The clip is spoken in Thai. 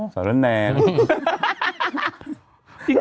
สาวแร่นแนง